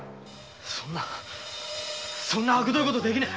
そんなそんな悪どいことはできない！